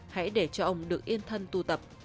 hãy để cho ông được yên thân tu tập